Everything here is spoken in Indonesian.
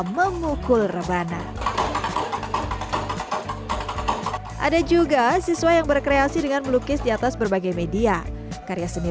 memukul rebana ada juga siswa yang berkreasi dengan melukis di atas berbagai media karya seni